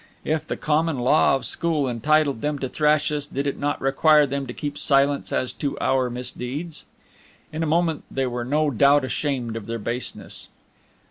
If the common law of school entitled them to thrash us, did it not require them to keep silence as to our misdeeds? In a moment they were no doubt ashamed of their baseness.